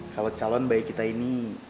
kalau calon baik kita ini